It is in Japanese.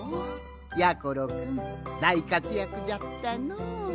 やころくんだいかつやくじゃったのう。